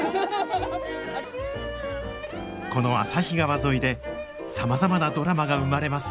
この旭川沿いでさまざまなドラマが生まれます